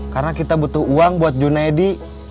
karena kita butuh uang buat junedi